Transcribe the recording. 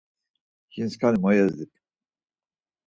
Jinskani mo yezdip.